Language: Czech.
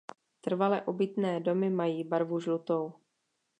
Trvale obytné domy mají barvu žlutou.